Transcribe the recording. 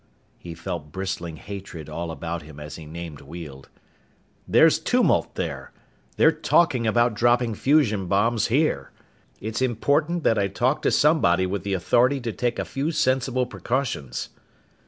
He felt bristling hatred all about him as he named Weald. "There's tumult there. They're talking about dropping fusion bombs here. It's important that I talk to somebody with the authority to take a few sensible precautions!"